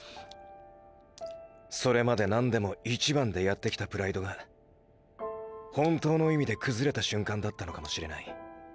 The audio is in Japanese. それまで何でも“一番”でやってきたプライドが本当の意味で崩れた瞬間だったのかもしれない。